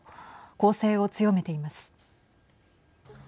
攻勢を強めています。